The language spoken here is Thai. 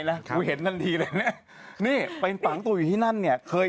พลิกต๊อกเต็มเสนอหมดเลยพลิกต๊อกเต็มเสนอหมดเลย